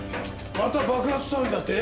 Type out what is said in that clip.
また爆発騒ぎだって？